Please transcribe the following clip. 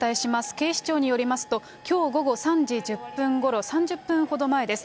警視庁によりますと、きょう午後３時１０分ごろ、３０分ほど前です。